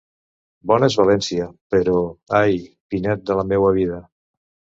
Bona és València, però, ai!, Pinet de la meua vida!